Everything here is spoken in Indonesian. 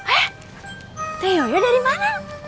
eh teh yoyo dari mana